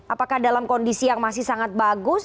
apakah dalam kondisi yang masih sangat bagus